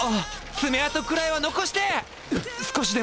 爪痕くらいは残してえ！